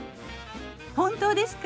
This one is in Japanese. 本当ですか？